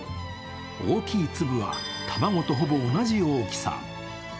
大きい粒は卵とほぼ同じ大きさ。